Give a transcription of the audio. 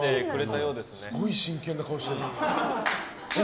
すごい真剣な顔してる。